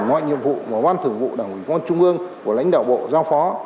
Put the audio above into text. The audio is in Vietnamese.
ngoại nhiệm vụ của ban thường vụ đảng ủy môn trung ương và lãnh đạo bộ giao phó